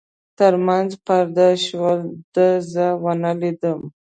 تر منځ پرده شول، ده زه نه لیدم.